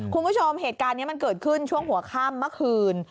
คุณผู้ชมเหตุการณ์นี้มันเกิดขึ้นช่วงหัวค่ำเมื่อคืน